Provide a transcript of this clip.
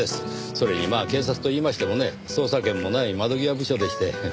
それにまあ警察と言いましてもね捜査権もない窓際部署でして。